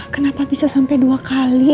kenapa bisa sampai dua kali